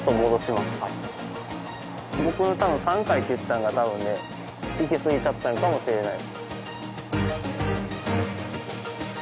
僕が多分３回って言ったんが多分ね行きすぎちゃったのかもしれない。